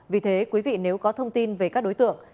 vì thế quý vị nếu có thông tin về các đối tượng